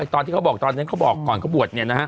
ตอนที่เขาบอกตอนนี้เขาบอกก่อนก็บวชเนี่ยนะฮะ